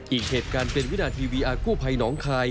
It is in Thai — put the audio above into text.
อีกเหตุการณ์เป็นวินาทีวีอาร์กู้ภัยน้องคาย